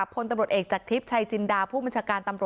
พนประกอบเอกจากทศัยจินดา